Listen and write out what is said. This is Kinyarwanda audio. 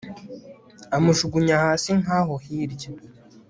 amujugunya hasi nkaho hirya